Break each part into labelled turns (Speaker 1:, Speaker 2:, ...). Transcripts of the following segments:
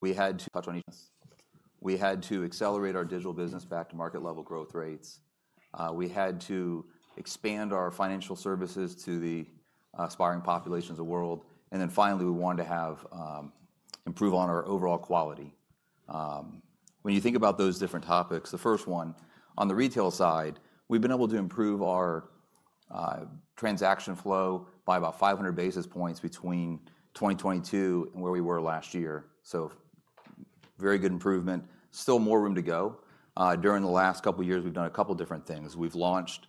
Speaker 1: We had to accelerate our digital business back to market-level growth rates. We had to expand our financial services to the aspiring populations of the world. Finally, we wanted to improve on our overall quality. When you think about those different topics, the first one, on the retail side, we've been able to improve our transaction flow by about 500 basis points between 2022 and where we were last year. Very good improvement, still more room to go. During the last couple of years, we've done a couple of different things. We've launched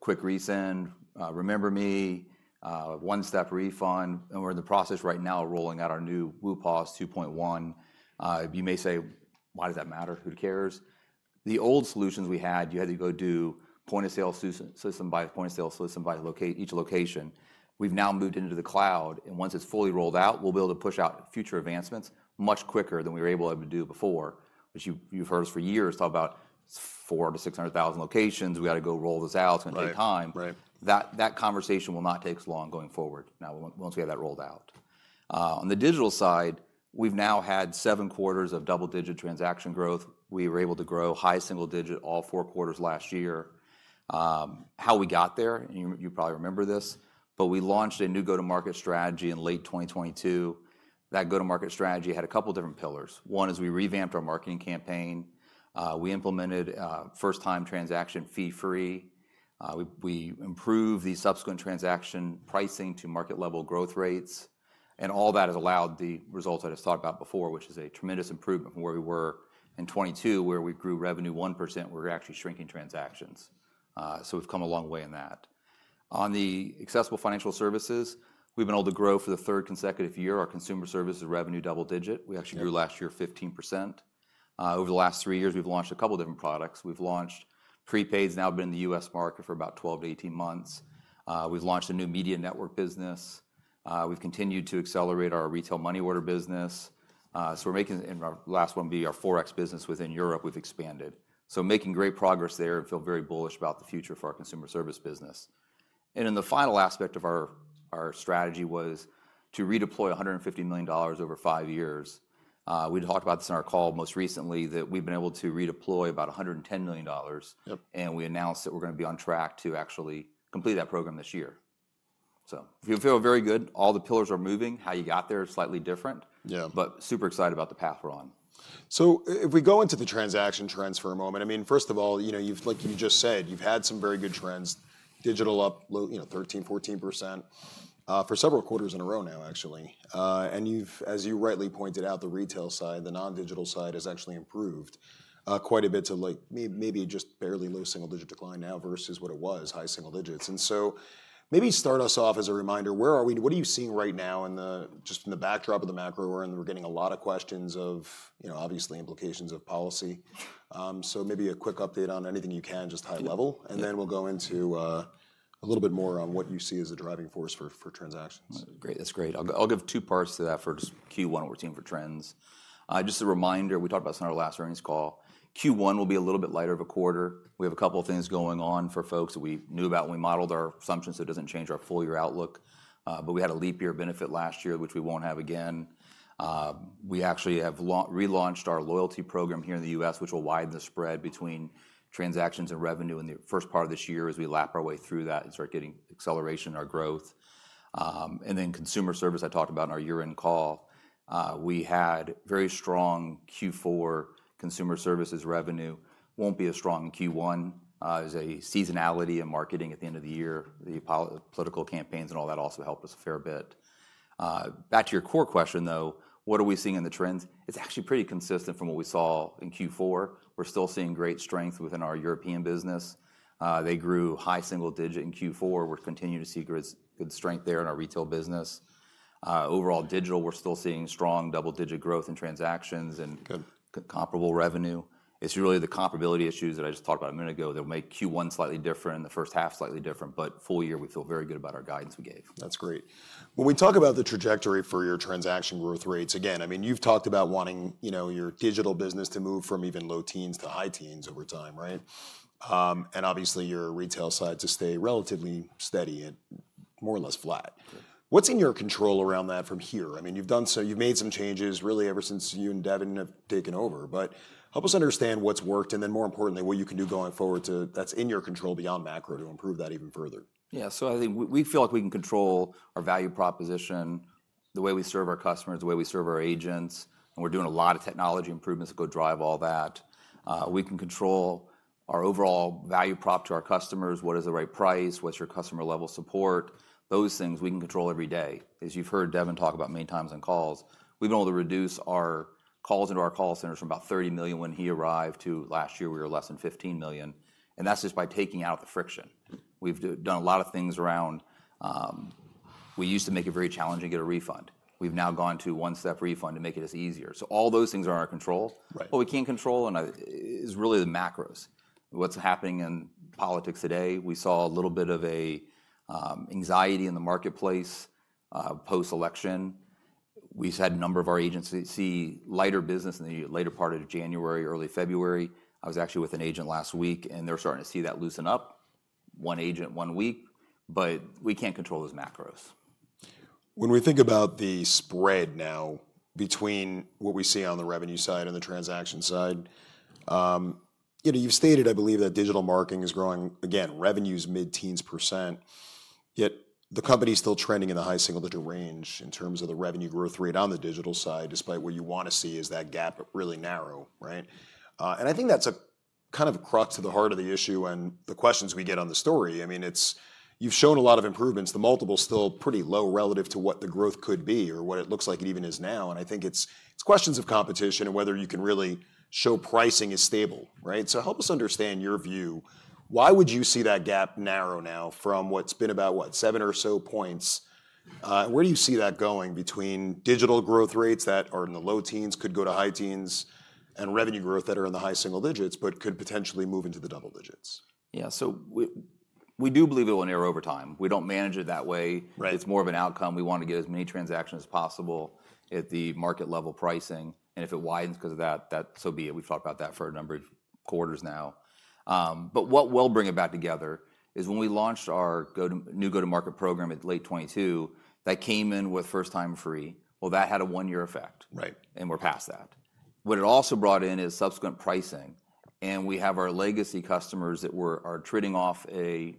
Speaker 1: Quick Resend, Remember Me, One-Step Refund, and we're in the process right now of rolling out our new WUPOS 2.1. You may say, "Why does that matter? Who cares?" The old solutions we had, you had to go do point-of-sale system by point-of-sale system by each location. We've now moved into the cloud, and once it's fully rolled out, we'll be able to push out future advancements much quicker than we were able to do before. You've heard us for years talk about 400,000-600,000 locations. We got to go roll this out. It's going to take time. That conversation will not take as long going forward now once we have that rolled out. On the digital side, we've now had seven quarters of double-digit transaction growth. We were able to grow high single digit all four quarters last year. How we got there, you probably remember this, but we launched a new go-to-market strategy in late 2022. That go-to-market strategy had a couple of different pillars. One is we revamped our marketing campaign. We implemented first-time transaction fee-free. We improved the subsequent transaction pricing to market-level growth rates. All that has allowed the results I just talked about before, which is a tremendous improvement from where we were in 2022, where we grew revenue 1%. We were actually shrinking transactions. We have come a long way in that. On the accessible financial services, we have been able to grow for the third consecutive year. Our Consumer Services revenue double-digit. We actually grew last year 15%. Over the last three years, we have launched a couple of different products. We have launched prepaids, now been in the U.S. market for about 12-18 months. We have launched a new media network business. We have continued to accelerate our retail money order business. Our last one is our forex business within Europe. We have expanded. We are making great progress there and feel very bullish about the future for our Consumer Services business. The final aspect of our strategy was to redeploy $150 million over five years. We talked about this in our call most recently, that we've been able to redeploy about $110 million. We announced that we're going to be on track to actually complete that program this year. You feel very good, all the pillars are moving. How you got there is slightly different, but super excited about the path we're on.
Speaker 2: If we go into the transaction trends for a moment, I mean, first of all, like you just said, you've had some very good trends, digital up 13%-14% for several quarters in a row now, actually. As you rightly pointed out, the retail side, the non-digital side has actually improved quite a bit to maybe just barely low single digit decline now versus what it was, high single digits. Maybe start us off as a reminder, what are you seeing right now just in the backdrop of the macro? We're getting a lot of questions of obviously implications of policy. Maybe a quick update on anything you can, just high level. Then we'll go into a little bit more on what you see as a driving force for transactions.
Speaker 1: Great. That's great. I'll give two parts to that for Q1, what we're seeing for trends. Just a reminder, we talked about this in our last earnings call. Q1 will be a little bit lighter of a quarter. We have a couple of things going on for folks that we knew about when we modeled our assumptions, so it doesn't change our full-year outlook. We had a leap year benefit last year, which we won't have again. We actually have relaunched our loyalty program here in the U.S., which will widen the spread between transactions and revenue in the first part of this year as we lap our way through that and start getting acceleration in our growth. Then Consumer Services, I talked about in our year-end call. We had very strong Q4 Consumer Services revenue. Won't be as strong in Q1. There's a seasonality in marketing at the end of the year. The political campaigns and all that also helped us a fair bit. Back to your core question, though, what are we seeing in the trends? It's actually pretty consistent from what we saw in Q4. We're still seeing great strength within our European business. They grew high single digit in Q4. We're continuing to see good strength there in our retail business. Overall digital, we're still seeing strong double-digit growth in transactions and comparable revenue. It's really the comparability issues that I just talked about a minute ago that will make Q1 slightly different and the first half slightly different. For the full-year, we feel very good about our guidance we gave.
Speaker 2: That's great. When we talk about the trajectory for your transaction growth rates, again, I mean, you've talked about wanting your digital business to move from even low teens to high teens over time, right? Obviously, your retail side to stay relatively steady and more or less flat. What's in your control around that from here? I mean, you've made some changes really ever since you and Devin have taken over, but help us understand what's worked and then, more importantly, what you can do going forward that's in your control beyond macro to improve that even further.
Speaker 1: Yeah. I think we feel like we can control our value proposition, the way we serve our customers, the way we serve our agents. We are doing a lot of technology improvements that drive all that. We can control our overall value prop to our customers. What is the right price? What is your customer-level support? Those things we can control every day. As you have heard Devin talk about many times on calls, we have been able to reduce our calls into our call centers from about 30 million when he arrived to last year, we were less than 15 million. That is just by taking out the friction. We have done a lot of things around we used to make it very challenging to get a refund. We have now gone to One-Step Refund to make it as easier. All those things are in our control, but we can't control, and it's really the macros. What's happening in politics today? We saw a little bit of anxiety in the marketplace post-election. We've had a number of our agents see lighter business in the later part of January, early February. I was actually with an agent last week, and they're starting to see that loosen up, one agent, one week. We can't control those macros.
Speaker 2: When we think about the spread now between what we see on the revenue side and the transaction side, you've stated, I believe, that digital marketing is growing, again, revenues mid-teens percent, yet the company is still trending in the high single digit range in terms of the revenue growth rate on the digital side, despite what you want to see as that gap really narrow, right? I think that's a kind of crux to the heart of the issue and the questions we get on the story. I mean, you've shown a lot of improvements. The multiple is still pretty low relative to what the growth could be or what it looks like it even is now. I think it's questions of competition and whether you can really show pricing is stable, right? Help us understand your view. Why would you see that gap narrow now from what's been about, what, seven or so points? Where do you see that going between digital growth rates that are in the low teens, could go to high teens, and revenue growth that are in the high single digits, but could potentially move into the double digits?
Speaker 1: Yeah. We do believe it will narrow over time. We do not manage it that way. It is more of an outcome. We want to get as many transactions as possible at the market-level pricing. If it widens because of that, so be it. We have talked about that for a number of quarters now. What will bring it back together is when we launched our new go-to-market program at late 2022, that came in with first-time free. That had a one-year effect, and we are past that. What it also brought in is subsequent pricing. We have our legacy customers that are trading off a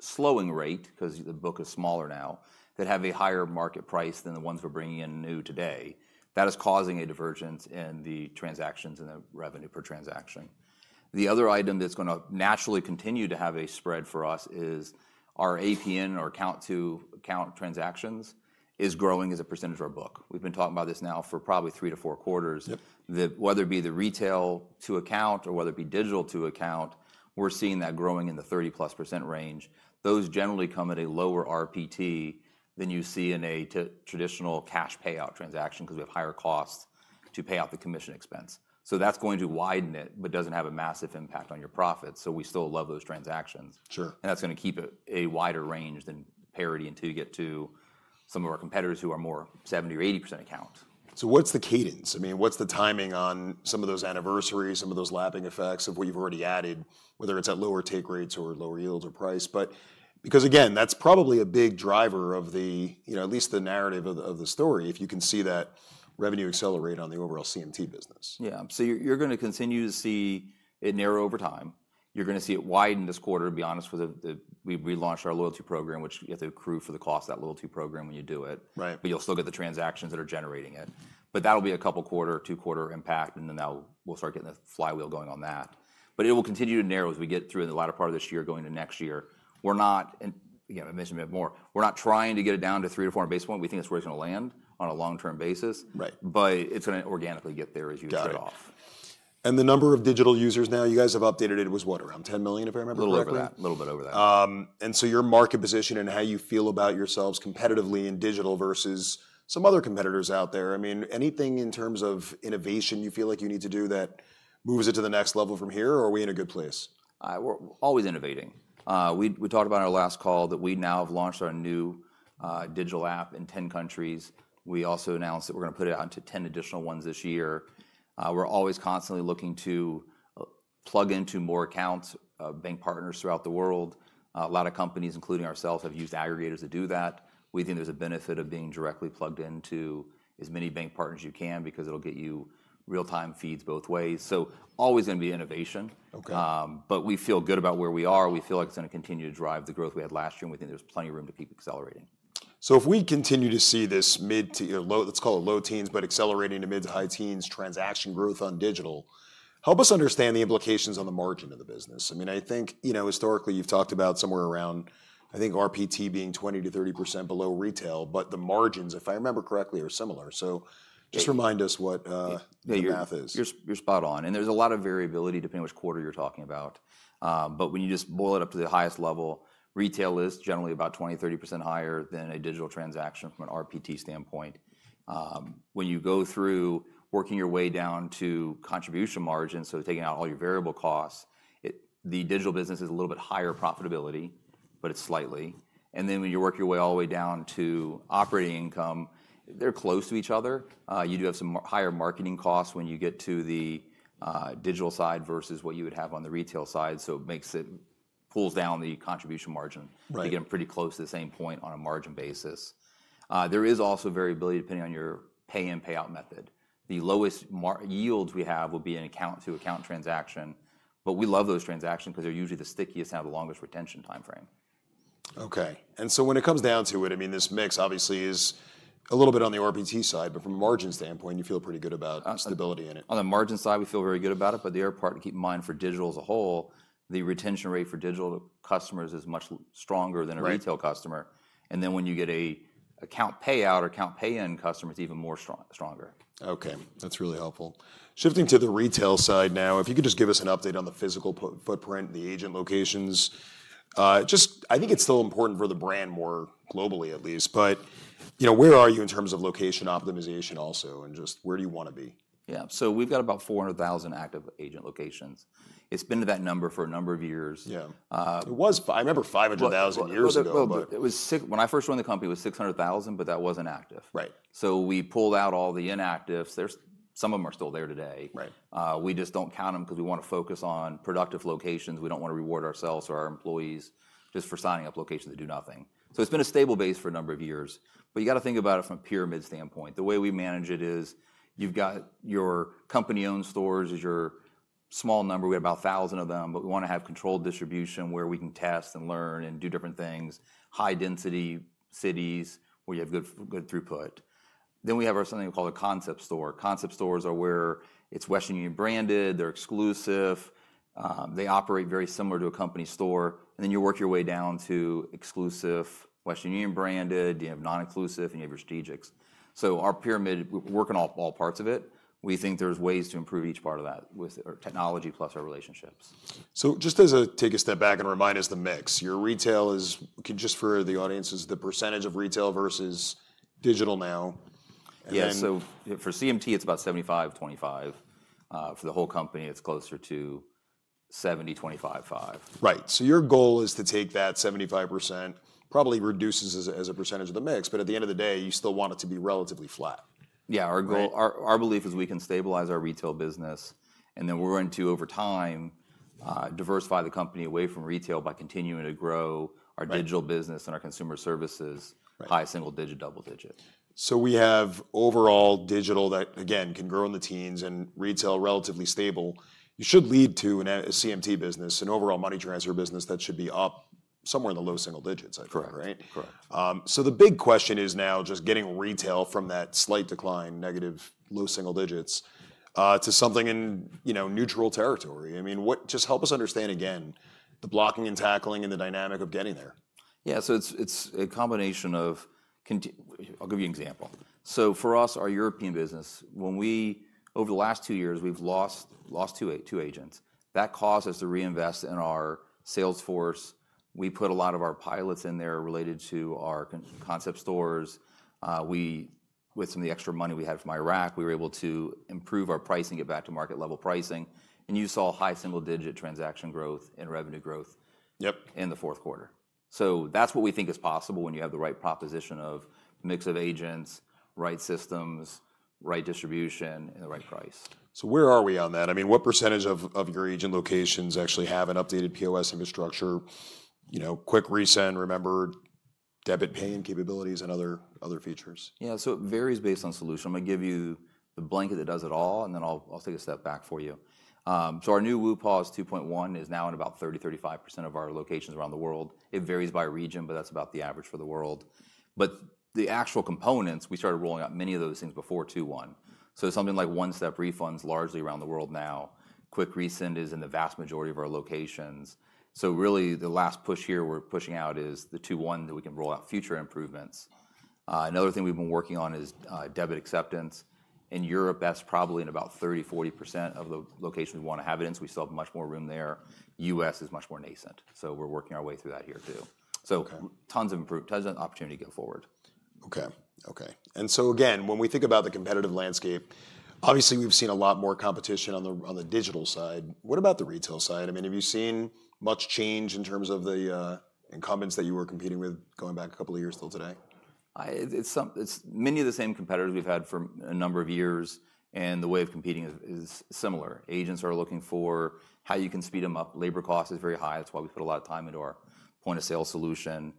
Speaker 1: slowing rate because the book is smaller now, that have a higher market price than the ones we are bringing in new today. That is causing a divergence in the transactions and the revenue per transaction. The other item that's going to naturally continue to have a spread for us is our APN or account-to-account transactions is growing as a percentage of our book. We've been talking about this now for probably three to four quarters. Whether it be the retail-to-account or whether it be digital-to-account, we're seeing that growing in the 30%+ range. Those generally come at a lower RPT than you see in a traditional cash payout transaction because we have higher costs to pay out the commission expense. That's going to widen it, but doesn't have a massive impact on your profits. We still love those transactions. That's going to keep it a wider range than parity until you get to some of our competitors who are more 70%-80% account.
Speaker 2: What's the cadence? I mean, what's the timing on some of those anniversaries, some of those lapping effects of what you've already added, whether it's at lower take rates or lower yields or price? Because again, that's probably a big driver of at least the narrative of the story if you can see that revenue accelerate on the overall CMT business.
Speaker 1: Yeah. You're going to continue to see it narrow over time. You're going to see it widen this quarter, to be honest, with we've relaunched our loyalty program, which you have to accrue for the cost of that loyalty program when you do it. You'll still get the transactions that are generating it. That'll be a couple of quarter, two-quarter impact, and then we'll start getting the flywheel going on that. It will continue to narrow as we get through the latter part of this year going into next year. We're not, and I mentioned a bit more, we're not trying to get it down to three to four in baseline. We think it's where it's going to land on a long-term basis, but it's going to organically get there as you start off.
Speaker 2: The number of digital users now, you guys have updated it, it was what, around 10 million, if I remember correctly?
Speaker 1: A little bit over that.
Speaker 2: A little bit over that. Your market position and how you feel about yourselves competitively in digital versus some other competitors out there, I mean, anything in terms of innovation you feel like you need to do that moves it to the next level from here, or are we in a good place?
Speaker 1: We're always innovating. We talked about in our last call that we now have launched our new digital app in 10 countries. We also announced that we're going to put it out into 10 additional ones this year. We're always constantly looking to plug into more accounts, bank partners throughout the world. A lot of companies, including ourselves, have used aggregators to do that. We think there's a benefit of being directly plugged into as many bank partners you can because it'll get you real-time feeds both ways. Always going to be innovation. We feel good about where we are. We feel like it's going to continue to drive the growth we had last year, and we think there's plenty of room to keep accelerating.
Speaker 2: If we continue to see this mid to, let's call it low teens, but accelerating to mid to high teens transaction growth on digital, help us understand the implications on the margin of the business. I mean, I think historically you've talked about somewhere around, I think RPT being 20%-30% below retail, but the margins, if I remember correctly, are similar. Just remind us what the path is.
Speaker 1: You're spot on. There's a lot of variability depending on which quarter you're talking about. When you just boil it up to the highest level, retail is generally about 20%-30% higher than a digital transaction from an RPT standpoint. When you go through working your way down to contribution margins, taking out all your variable costs, the digital business is a little bit higher profitability, but it's slightly. When you work your way all the way down to operating income, they're close to each other. You do have some higher marketing costs when you get to the digital side versus what you would have on the retail side. It pulls down the contribution margin. You get them pretty close to the same point on a margin basis. There is also variability depending on your pay and payout method. The lowest yields we have will be in account-to-account transaction. We love those transactions because they're usually the stickiest and have the longest retention timeframe.
Speaker 2: Okay. When it comes down to it, I mean, this mix obviously is a little bit on the RPT side, but from a margin standpoint, you feel pretty good about stability in it.
Speaker 1: On the margin side, we feel very good about it. The other part to keep in mind for digital as a whole, the retention rate for digital customers is much stronger than a retail customer. Then when you get an account payout or account pay-in customer, it's even more stronger.
Speaker 2: Okay. That's really helpful. Shifting to the retail side now, if you could just give us an update on the physical footprint, the agent locations. I think it's still important for the brand more globally, at least. Where are you in terms of location optimization also and just where do you want to be?
Speaker 1: Yeah. So we've got about 400,000 active agent locations. It's been to that number for a number of years.
Speaker 2: Yeah. I remember 500,000 years ago.
Speaker 1: When I first joined the company, it was 600,000, but that was not active. We pulled out all the inactives. Some of them are still there today. We just do not count them because we want to focus on productive locations. We do not want to reward ourselves or our employees just for signing up locations that do nothing. It has been a stable base for a number of years. You have to think about it from a pyramid standpoint. The way we manage it is you have your company-owned stores as your small number. We have about 1,000 of them, but we want to have controlled distribution where we can test and learn and do different things, high-density cities where you have good throughput. We have something we call a concept store. Concept stores are where it is Western Union-branded. They are exclusive. They operate very similar to a company store. You work your way down to exclusive, Western Union-branded. You have non-exclusive, and you have your strategics. Our pyramid, we're working on all parts of it. We think there's ways to improve each part of that with our technology plus our relationships.
Speaker 2: Just to take a step back and remind us the mix. Your retail is, just for the audience, is the percentage of retail versus digital now.
Speaker 1: Yeah. For CMT, it's about 75, 25. For the whole company, it's closer to 70, 25, 5.
Speaker 2: Right. Your goal is to take that 75%, probably reduces as a percentage of the mix, but at the end of the day, you still want it to be relatively flat.
Speaker 1: Yeah. Our belief is we can stabilize our retail business, and then we're going to, over time, diversify the company away from retail by continuing to grow our digital business and our Consumer Services by a single digit, double digit.
Speaker 2: We have overall digital that, again, can grow in the teens and retail relatively stable. You should lead to a CMT business, an overall money transfer business that should be up somewhere in the low single digits, I think, right?
Speaker 1: Correct.
Speaker 2: The big question is now just getting retail from that slight decline, negative low single digits, to something in neutral territory. I mean, just help us understand again the blocking and tackling and the dynamic of getting there.
Speaker 1: Yeah. It's a combination of, I'll give you an example. For us, our European business, over the last two years, we've lost two agents. That caused us to reinvest in our sales force. We put a lot of our pilots in there related to our concept stores. With some of the extra money we had from Iraq, we were able to improve our pricing, get back to market-level pricing. You saw high single-digit transaction growth and revenue growth in the fourth quarter. That's what we think is possible when you have the right proposition of mix of agents, right systems, right distribution, and the right price.
Speaker 2: Where are we on that? I mean, what percentage of your agent locations actually have an updated POS infrastructure, Quick Resend, remember, debit paying capabilities, and other features?
Speaker 1: Yeah. It varies based on solution. I'm going to give you the blanket that does it all, and then I'll take a step back for you. Our new WUPOS 2.1 is now in about 30%-35% of our locations around the world. It varies by region, but that's about the average for the world. The actual components, we started rolling out many of those things before 2.1. Something like One-Step Refund is largely around the world now. Quick Resend is in the vast majority of our locations. Really, the last push here we're pushing out is the 2.1 so we can roll out future improvements. Another thing we've been working on is debit acceptance. In Europe, that's probably in about 30%-40% of the locations we want to have it in, so we still have much more room there. U.S. is much more nascent. We're working our way through that here too. Tons of opportunity to go forward.
Speaker 2: Okay. Okay. When we think about the competitive landscape, obviously we've seen a lot more competition on the digital side. What about the retail side? I mean, have you seen much change in terms of the incumbents that you were competing with going back a couple of years till today?
Speaker 1: It's many of the same competitors we've had for a number of years, and the way of competing is similar. Agents are looking for how you can speed them up. Labor cost is very high. That's why we put a lot of time into our point of sale solution.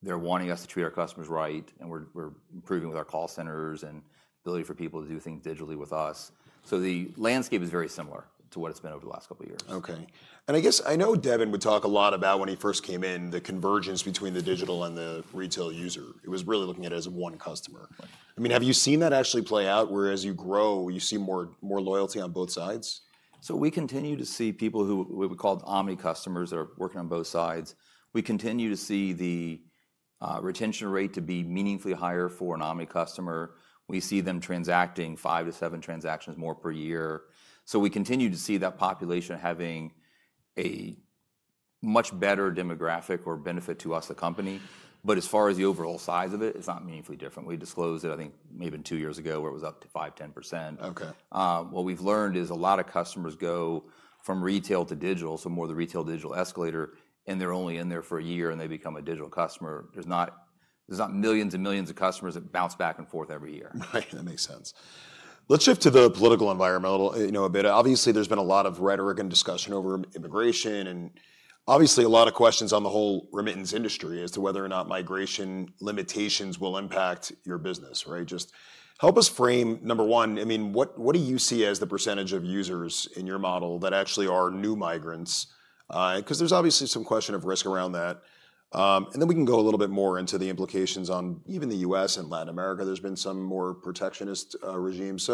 Speaker 1: They're wanting us to treat our customers right, and we're improving with our call centers and ability for people to do things digitally with us. The landscape is very similar to what it's been over the last couple of years.
Speaker 2: Okay. I guess I know Devin would talk a lot about when he first came in, the convergence between the digital and the retail user. It was really looking at it as one customer. I mean, have you seen that actually play out where as you grow, you see more loyalty on both sides?
Speaker 1: We continue to see people who we would call omni customers that are working on both sides. We continue to see the retention rate to be meaningfully higher for an omni customer. We see them transacting five to seven transactions more per year. We continue to see that population having a much better demographic or benefit to us, the company. As far as the overall size of it, it's not meaningfully different. We disclosed it, I think, maybe two years ago where it was up to 5%-10%. What we've learned is a lot of customers go from retail to digital, so more of the retail-digital escalator, and they're only in there for a year and they become a digital customer. There's not millions and millions of customers that bounce back and forth every year.
Speaker 2: Right. That makes sense. Let's shift to the political environment a bit. Obviously, there's been a lot of rhetoric and discussion over immigration and obviously a lot of questions on the whole remittance industry as to whether or not migration limitations will impact your business, right? Just help us frame, number one, I mean, what do you see as the percentage of users in your model that actually are new migrants? Because there's obviously some question of risk around that. I mean, then we can go a little bit more into the implications on even the U.S. and Latin America. There's been some more protectionist regimes.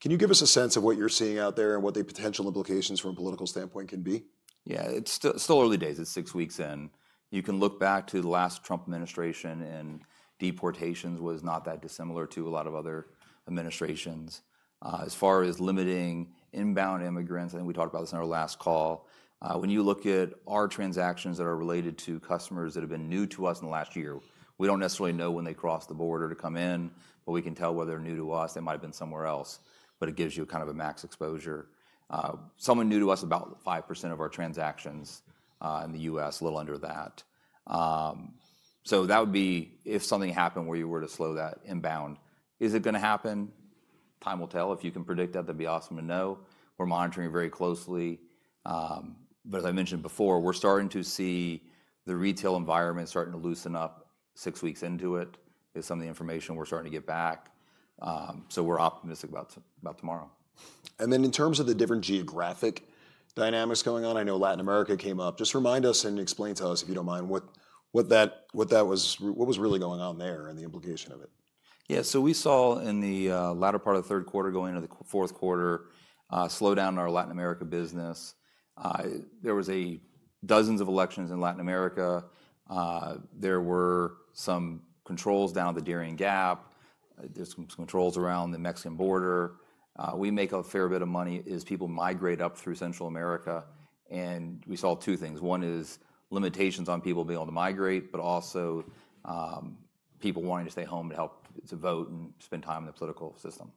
Speaker 2: Can you give us a sense of what you're seeing out there and what the potential implications from a political standpoint can be?
Speaker 1: Yeah. It's still early days. It's six weeks in. You can look back to the last Trump administration, and deportations was not that dissimilar to a lot of other administrations. As far as limiting inbound immigrants, I think we talked about this on our last call. When you look at our transactions that are related to customers that have been new to us in the last year, we don't necessarily know when they crossed the border to come in, but we can tell whether they're new to us. They might have been somewhere else, but it gives you kind of a max exposure. Someone new to us, about 5% of our transactions in the U.S., a little under that. So that would be if something happened where you were to slow that inbound. Is it going to happen? Time will tell. If you can predict that, that'd be awesome to know. We're monitoring very closely. As I mentioned before, we're starting to see the retail environment starting to loosen up six weeks into it is some of the information we're starting to get back. We're optimistic about tomorrow.
Speaker 2: In terms of the different geographic dynamics going on, I know Latin America came up. Just remind us and explain to us, if you do not mind, what was really going on there and the implication of it.
Speaker 1: Yeah. We saw in the latter part of the third quarter going into the fourth quarter, slow down in our Latin America business. There were dozens of elections in Latin America. There were some controls down the Darién Gap. There are some controls around the Mexican border. We make a fair bit of money as people migrate up through Central America. We saw two things. One is limitations on people being able to migrate, but also people wanting to stay home to help to vote and spend time in the political system.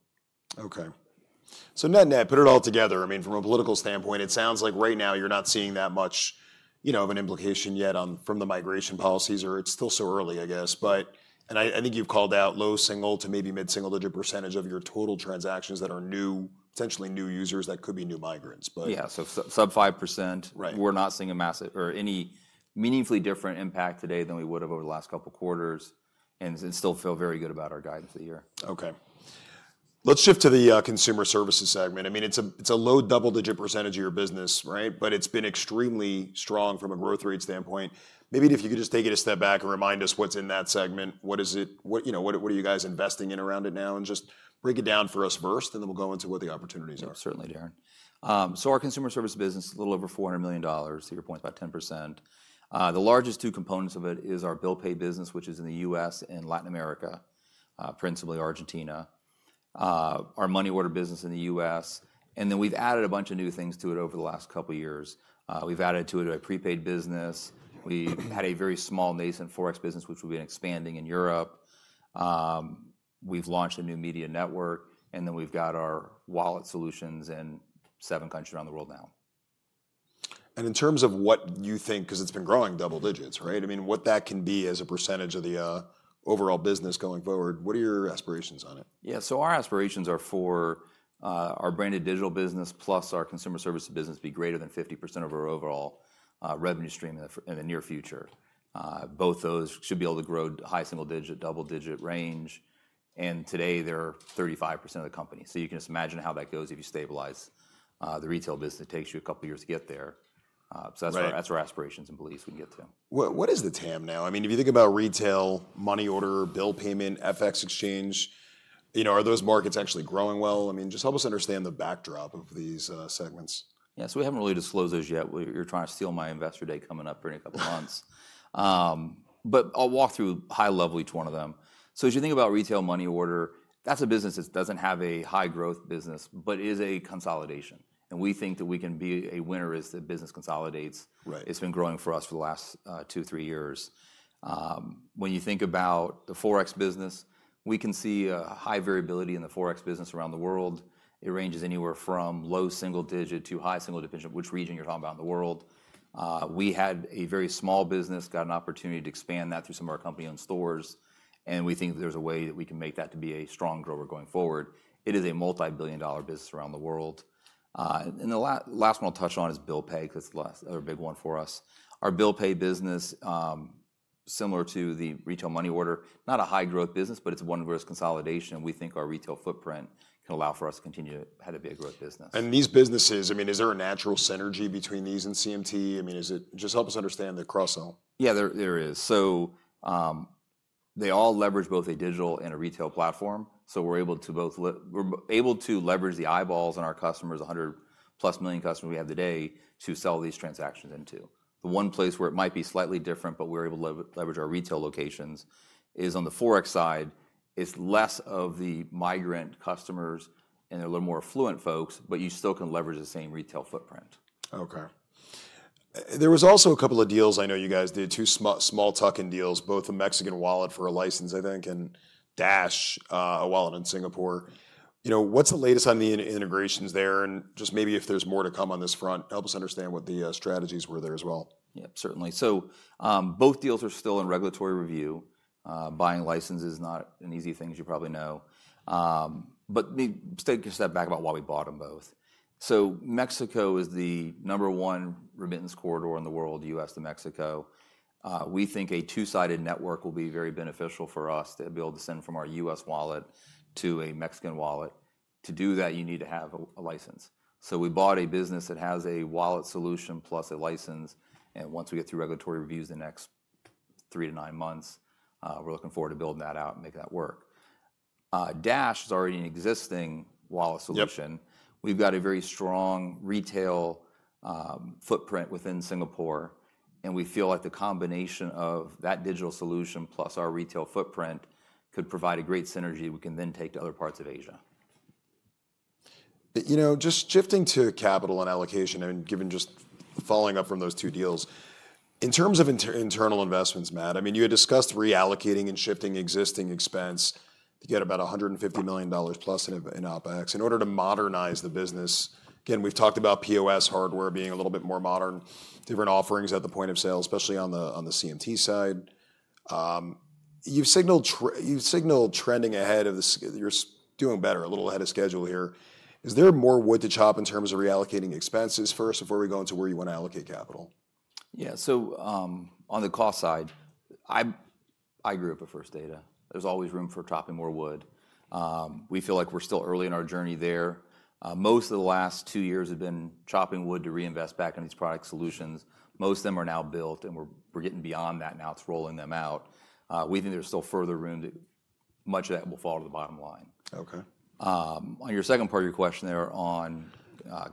Speaker 2: Okay. Net-net, put it all together. I mean, from a political standpoint, it sounds like right now you're not seeing that much of an implication yet from the migration policies, or it's still so early, I guess. I think you've called out low single to maybe mid-single digit percentage of your total transactions that are potentially new users that could be new migrants.
Speaker 1: Yeah. Sub 5%. We're not seeing a massive or any meaningfully different impact today than we would have over the last couple of quarters. Still feel very good about our guidance of the year.
Speaker 2: Okay. Let's shift to the Consumer Services segment. I mean, it's a low double-digit percentage of your business, right? But it's been extremely strong from a growth rate standpoint. Maybe if you could just take it a step back and remind us what's in that segment, what are you guys investing in around it now? Just break it down for us first, and then we'll go into what the opportunities are.
Speaker 1: Certainly, Darrin. Our Consumer Services business, a little over $400 million. To your point, about 10%. The largest two components of it is our bill pay business, which is in the U.S. and Latin America, principally Argentina. Our money order business in the U.S.. We have added a bunch of new things to it over the last couple of years. We have added to it a prepaids business. We had a very small nascent forex business, which we have been expanding in Europe. We have launched a new media network. We have our wallet solutions in seven countries around the world now.
Speaker 2: In terms of what you think, because it's been growing double digits, right? I mean, what that can be as a percentage of the overall business going forward, what are your aspirations on it?
Speaker 1: Yeah. Our aspirations are for our Branded Digital business plus our Consumer Services business to be greater than 50% of our overall revenue stream in the near future. Both those should be able to grow high single digit, double digit range. Today, they're 35% of the company. You can just imagine how that goes if you stabilize the retail business. It takes you a couple of years to get there. That's our aspirations and beliefs we can get to.
Speaker 2: What is the TAM now? I mean, if you think about retail, money order, bill payment, foreign exchange, are those markets actually growing well? I mean, just help us understand the backdrop of these segments.
Speaker 1: Yeah. We haven't really disclosed those yet. You're trying to steal my investor day coming up during a couple of months. I'll walk through high level each one of them. As you think about retail money order, that's a business that doesn't have a high growth business, but it is a consolidation. We think that we can be a winner as the business consolidates. It's been growing for us for the last two, three years. When you think about the forex business, we can see a high variability in the forex business around the world. It ranges anywhere from low single digit to high single digit, which region you're talking about in the world. We had a very small business, got an opportunity to expand that through some of our company-owned stores. We think there is a way that we can make that to be a strong grower going forward. It is a multi-billion dollar business around the world. The last one I will touch on is bill pay, because it is another big one for us. Our bill pay business, similar to the retail money order, is not a high growth business, but it is one where it is consolidation. We think our retail footprint can allow for us to continue to have a big growth business.
Speaker 2: These businesses, I mean, is there a natural synergy between these and CMT? I mean, just help us understand the cross-own.
Speaker 1: Yeah, there is. They all leverage both a digital and a retail platform. We are able to leverage the eyeballs on our customers, 100+ million customers we have today, to sell these transactions into. The one place where it might be slightly different, but we are able to leverage our retail locations, is on the forex side. It is less of the migrant customers, and they are a little more affluent folks, but you still can leverage the same retail footprint.
Speaker 2: Okay. There was also a couple of deals I know you guys did, two small tuck-in deals, both a Mexican wallet for a license, I think, and Singtel Dash, a wallet in Singapore. What's the latest on the integrations there? And just maybe if there's more to come on this front, help us understand what the strategies were there as well.
Speaker 1: Yeah, certainly. Both deals are still in regulatory review. Buying licenses is not an easy thing, as you probably know. Take a step back about why we bought them both. Mexico is the number one remittance corridor in the world, U.S. to Mexico. We think a two-sided network will be very beneficial for us to be able to send from our U.S. wallet to a Mexican wallet. To do that, you need to have a license. We bought a business that has a wallet solution plus a license. Once we get through regulatory reviews in the next three to nine months, we're looking forward to building that out and making that work. Singtel Dash is already an existing wallet solution. We've got a very strong retail footprint within Singapore. We feel like the combination of that digital solution plus our retail footprint could provide a great synergy we can then take to other parts of Asia.
Speaker 2: Just shifting to capital and allocation, and given just following up from those two deals, in terms of internal investments, Matt, I mean, you had discussed reallocating and shifting existing expense to get about $150+ million in OpEx in order to modernize the business. Again, we've talked about POS hardware being a little bit more modern, different offerings at the point of sale, especially on the CMT side. You've signaled trending ahead of this. You're doing better, a little ahead of schedule here. Is there more wood to chop in terms of reallocating expenses first before we go into where you want to allocate capital?
Speaker 1: Yeah. On the cost side, I grew up with First Data. There's always room for chopping more wood. We feel like we're still early in our journey there. Most of the last two years have been chopping wood to reinvest back in these product solutions. Most of them are now built, and we're getting beyond that now. It's rolling them out. We think there's still further room. Much of that will fall to the bottom line. On your second part of your question there on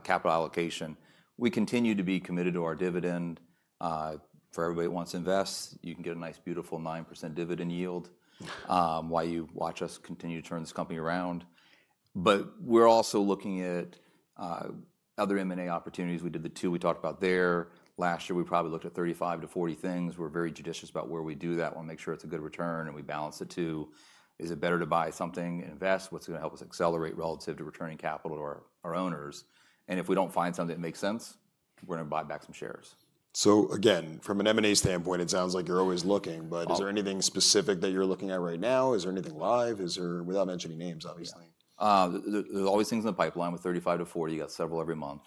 Speaker 1: capital allocation, we continue to be committed to our dividend. For everybody that wants to invest, you can get a nice, beautiful 9% dividend yield while you watch us continue to turn this company around. We are also looking at other M&A opportunities. We did the two we talked about there. Last year, we probably looked at 35-40 things. We're very judicious about where we do that. We want to make sure it's a good return, and we balance the two. Is it better to buy something and invest? What's going to help us accelerate relative to returning capital to our owners? If we don't find something that makes sense, we're going to buy back some shares.
Speaker 2: Again, from an M&A standpoint, it sounds like you're always looking, but is there anything specific that you're looking at right now? Is there anything live? Without mentioning names, obviously.
Speaker 1: There's always things in the pipeline with 35-40. You got several every month.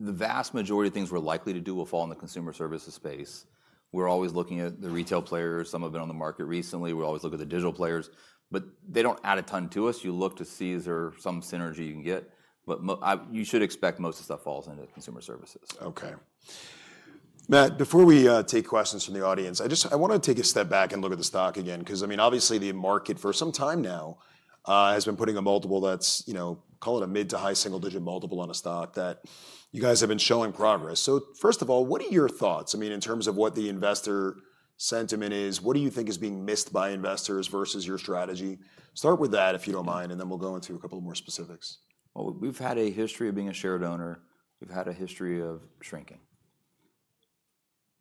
Speaker 1: The vast majority of things we're likely to do will fall in the Consumer Services space. We're always looking at the retail players. Some have been on the market recently. We always look at the digital players. They don't add a ton to us. You look to see is there some synergy you can get. You should expect most of the stuff falls into Consumer Services. Okay. Matt, before we take questions from the audience, I want to take a step back and look at the stock again. Because, I mean, obviously, the market for some time now has been putting a multiple that's, call it a mid to high single digit multiple on a stock that you guys have been showing progress. So first of all, what are your thoughts? I mean, in terms of what the investor sentiment is, what do you think is being missed by investors versus your strategy? Start with that, if you don't mind, and then we'll go into a couple more specifics.
Speaker 2: We've had a history of being a share owner. We've had a history of shrinking.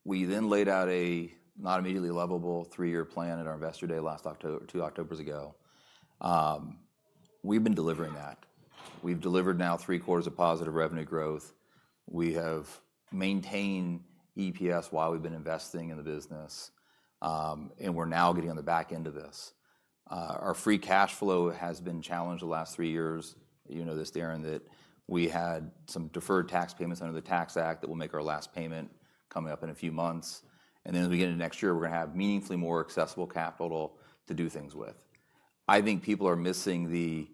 Speaker 2: We then laid out a not immediately lovable three-year plan at our Investor Day last October, two Octobers ago. We've been delivering that. We've delivered now three quarters of positive revenue growth. We have maintained EPS while we've been investing in the business. We're now getting on the back end of this. Our free cash flow has been challenged the last three years. You know this, Darrin, that we had some deferred tax payments under the Tax Act that will make our last payment coming up in a few months. As we get into next year, we're going to have meaningfully more accessible capital to do things with. I think people are missing the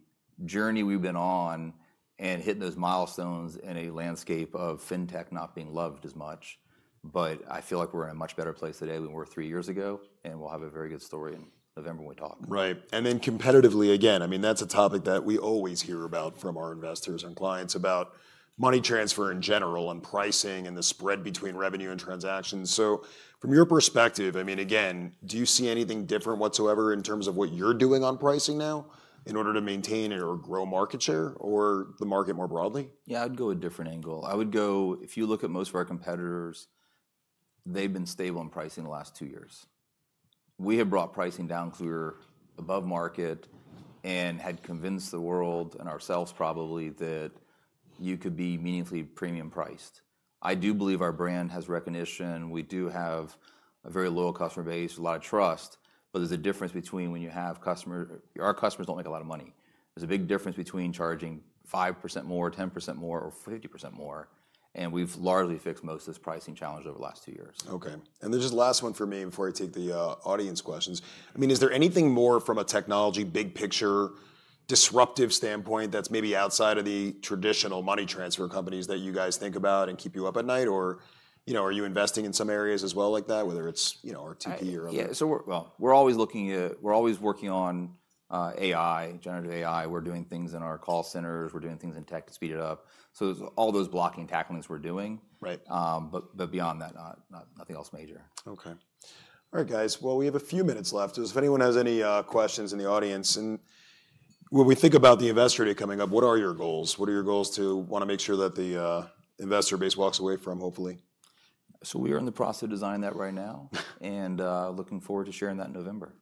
Speaker 2: journey we've been on and hitting those milestones in a landscape of fintech not being loved as much. I feel like we're in a much better place today than we were three years ago. We'll have a very good story in November when we talk. Right. Competitively, again, I mean, that's a topic that we always hear about from our investors and clients about money transfer in general and pricing and the spread between revenue and transactions. From your perspective, I mean, again, do you see anything different whatsoever in terms of what you're doing on pricing now in order to maintain or grow market share or the market more broadly?
Speaker 1: Yeah, I'd go a different angle. I would go, if you look at most of our competitors, they've been stable in pricing the last two years. We have brought pricing down because we were above market and had convinced the world and ourselves probably that you could be meaningfully premium priced. I do believe our brand has recognition. We do have a very loyal customer base, a lot of trust. There's a difference between when you have customers, our customers don't make a lot of money. There's a big difference between charging 5% more, 10% more, or 50% more. We have largely fixed most of this pricing challenge over the last two years.
Speaker 2: Okay. I mean, is there anything more from a technology big picture disruptive standpoint that's maybe outside of the traditional money transfer companies that you guys think about and keep you up at night? Or are you investing in some areas as well like that, whether it's RTP or other?
Speaker 1: Yeah. We're always looking at, we're always working on AI, generative AI. We're doing things in our call centers. We're doing things in tech to speed it up. There's all those blocking tacklings we're doing. Beyond that, nothing else major.
Speaker 2: Okay. All right, guys. We have a few minutes left. If anyone has any questions in the audience. When we think about the investor day coming up, what are your goals? What are your goals to want to make sure that the investor base walks away from, hopefully?
Speaker 1: We are in the process of designing that right now and looking forward to sharing that in November.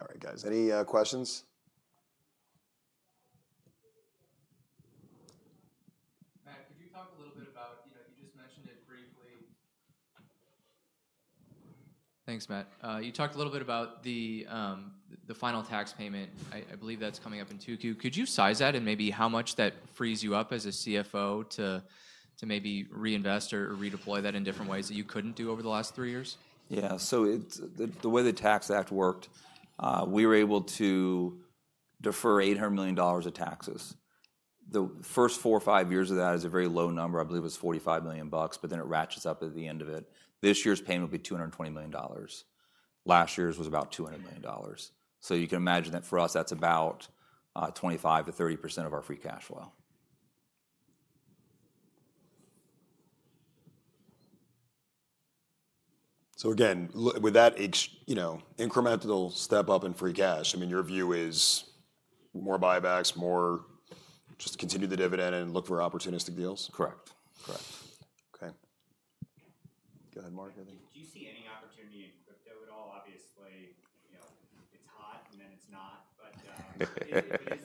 Speaker 2: All right, guys. Any questions?
Speaker 3: Matt, could you talk a little.
Speaker 4: Thanks, Matt. You talked a little bit about the final tax payment. I believe that's coming up in 2Q. Could you size that and maybe how much that frees you up as a CFO to maybe reinvest or redeploy that in different ways that you couldn't do over the last three years?
Speaker 1: Yeah. The way the Tax Act worked, we were able to defer $800 million of taxes. The first four or five years of that is a very low number. I believe it was $45 million, but then it ratchets up at the end of it. This year's payment will be $220 million. Last year's was about $200 million. You can imagine that for us, that's about 25%-30% of our free cash flow.
Speaker 2: With that incremental step up in free cash, I mean, your view is more buybacks, more just continue the dividend and look for opportunistic deals?
Speaker 1: Correct. Correct.
Speaker 2: Okay. Go ahead, Mark, I think.
Speaker 3: Do you see any opportunity in crypto at all? Obviously, it's hot and then it's not. Is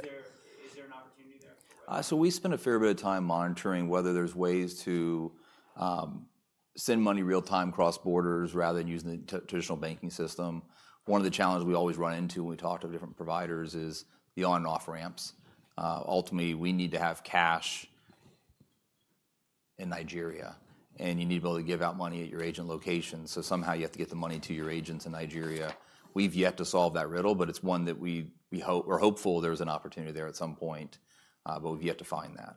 Speaker 3: there an opportunity there?
Speaker 1: We spend a fair bit of time monitoring whether there's ways to send money real-time across borders rather than using the traditional banking system. One of the challenges we always run into when we talk to different providers is the on-and-off ramps. Ultimately, we need to have cash in Nigeria. You need to be able to give out money at your agent location. Somehow you have to get the money to your agents in Nigeria. We've yet to solve that riddle, but it's one that we're hopeful there's an opportunity there at some point. We've yet to find that.